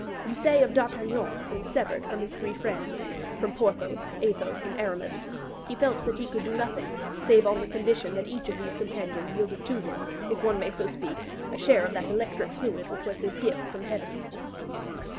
You say of D'Artagnan, when severed from his three friends from Porthos, Athos, and Aramis 'he felt that he could do nothing, save on the condition that each of these companions yielded to him, if one may so speak, a share of that electric fluid which was his gift from heaven.'